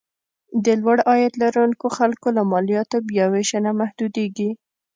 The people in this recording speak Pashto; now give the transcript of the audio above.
د لوړ عاید لرونکو خلکو له مالیاتو بیاوېشنه محدودېږي.